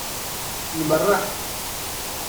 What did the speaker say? Nmerreḥ.